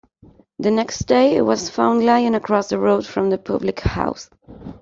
The next day it was found lying across the road from the public house.